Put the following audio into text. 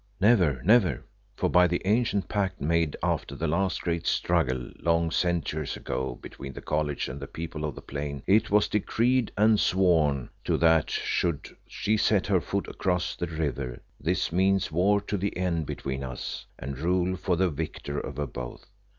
"Never, never, for by the ancient pact, made after the last great struggle long centuries ago between the College and the people of the Plain, it was decreed and sworn to that should she set her foot across the river, this means war to the end between us, and rule for the victor over both.